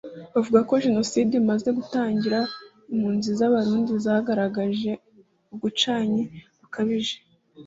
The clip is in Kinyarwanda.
Bavuga ko Jenoside imaze gutangira impunzi z’Abarundi zagaragaje ubwucanyi bukabije